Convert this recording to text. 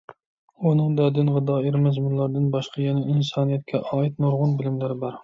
ئۇنىڭدا دىنغا دائىر مەزمۇنلاردىن باشقا يەنە ئىنسانىيەتكە ئائىت نۇرغۇن بىلىملەر بار.